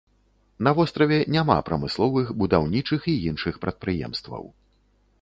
На востраве няма прамысловых, будаўнічых і іншых прадпрыемстваў.